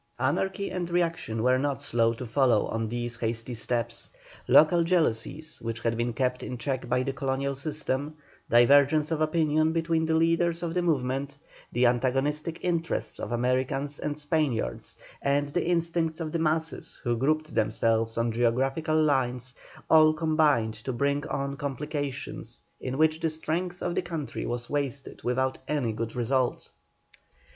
Anarchy and reaction were not slow to follow on these hasty steps. Local jealousies, which had been kept in check by the colonial system; divergence of opinion between the leaders of the movement; the antagonistic interests of Americans and Spaniards, and the instincts of the masses who grouped themselves on geographical lines, all combined to bring on complications in which the strength of the country was wasted without any good result.